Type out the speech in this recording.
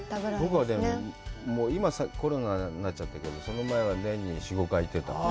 僕は今、コロナになっちゃったけど、その前は年に４５回行ってた。